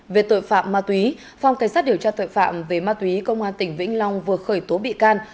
về tội phạm ma túy phòng cảnh sát điều tra tội phạm về ma túy công an tỉnh vĩnh long vừa khởi tố bị can